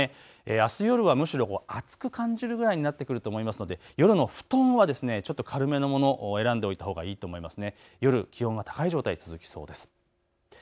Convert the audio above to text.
あす夜はむしろ暑く感じるくらいになってくると思いますので夜の布団はちょっと軽めのものを選んでおいたほうがいいと思います。